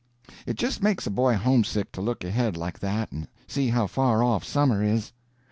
It just makes a boy homesick to look ahead like that and see how far off summer is.